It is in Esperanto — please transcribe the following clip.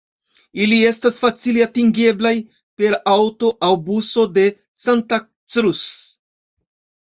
Ili estas facile atingeblaj per aŭto aŭ buso de Santa Cruz.